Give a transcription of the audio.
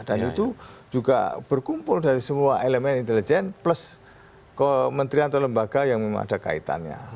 dan itu juga berkumpul dari semua elemen intelijen plus kementerian atau lembaga yang memang ada kaitannya